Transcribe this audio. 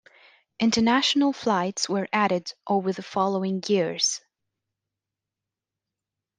International flights were added over the following years.